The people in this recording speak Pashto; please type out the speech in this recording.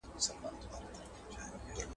اوړه دي پر اوړه، منت دي پر څه؟